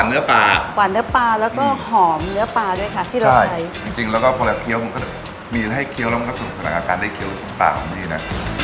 เนื้อปลาด้วยค่ะที่เราใช้ใช่จริงจริงแล้วก็พอแล้วเคี้ยวมันก็มีอะไรให้เคี้ยวแล้วมันก็สุดสนักการณ์ได้เคี้ยวของปลาของที่นี่น่ะ